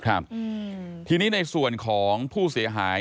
ครับทีนี้ในส่วนของผู้เสียหาย